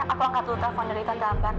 aku angkat dulu telepon dari tante ambar